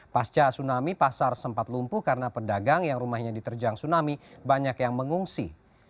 pasca tsunami pasar sempat lumpuh karena pedagang yang rumahnya diterjang tsunami banyak yang mengungsi